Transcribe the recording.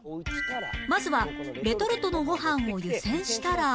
まずはレトルトのご飯を湯煎したら